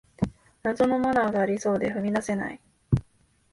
謎のマナーがありそうで踏み出せない